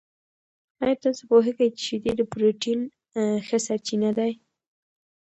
آیا تاسو پوهېږئ چې شیدې د پروټین ښه سرچینه دي؟